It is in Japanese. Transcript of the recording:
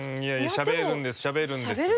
しゃべるんです！